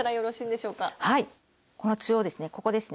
この中央ですね